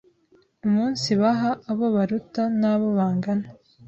umunsibaha abo baruta n’abo bangana.